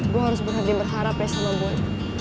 gue harus berhenti berharap ya sama gue